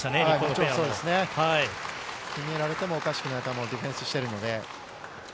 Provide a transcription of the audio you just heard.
そうですね、決められててもおかしくない球をディフェンスしてるので。